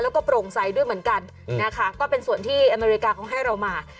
แล้วก็โปร่งใสด้วยเหมือนกันนะคะก็เป็นส่วนที่อเมริกาเขาให้เรามา